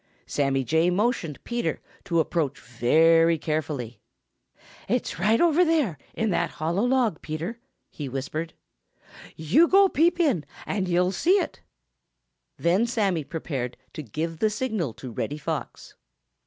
Sammy Jay motioned Peter to approach very carefully. "It's right over there, in that hollow log, Peter," he whispered. "You go peep in, and you'll see it." Then Sammy prepared to give the signal to Reddy Fox.